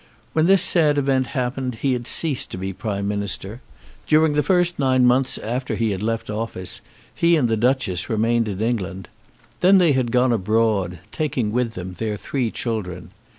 When this sad event happened he had ceased to be Prime Minister. During the first nine months after he had left office he and the Duchess remained in England. Then they had gone abroad, taking with them their three children.